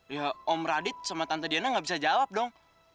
ya om radit sama tante diana nggak bisa jawab dong